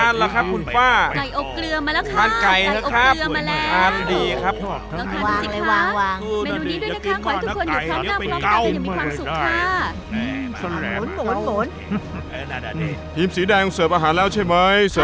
นะกับไก่อบเกลือ